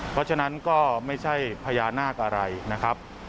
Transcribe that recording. เพราะฉะนั้นก็ไม่ใช่พญานาคอะไรนะครับ